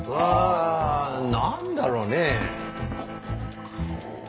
なんだろうね？